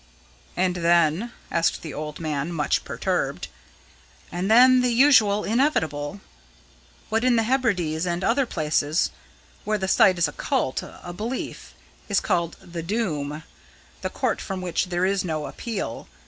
"And then?" asked the old man, much perturbed. "And then the usual inevitable. What in the Hebrides and other places, where the Sight is a cult a belief is called 'the doom' the court from which there is no appeal.